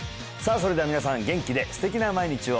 それでは皆さん元気で素敵な毎日を！